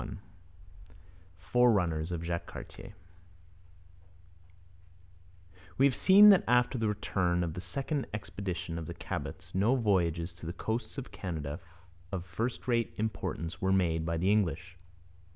CHAPTER VI FORERUNNERS OF JACQUES CARTIER We have seen that after the return of the second expedition of the Cabots no voyages to the coasts of Canada of first rate importance were made by the English.